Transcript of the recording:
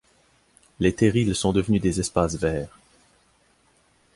Les terrils sont devenus des espaces verts.